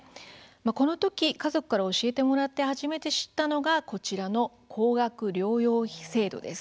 この時、家族から教えてもらって初めて知ったのが、こちらの高額療養費制度です。